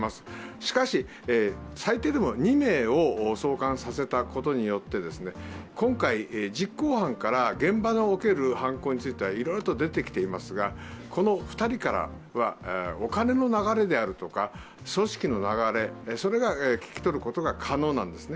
しかし、最低でも２名を送還させたことによって、今回、実行犯から現場における犯行というのはいろいろと出てきてますからこの２人からはお金の流れであるとか組織の流れを聴き取ることが可能なんですね。